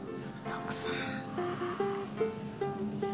徳さん。